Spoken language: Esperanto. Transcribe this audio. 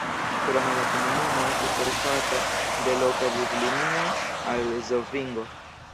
Krome la komunumo estas servata de loka buslinio al Zofingo.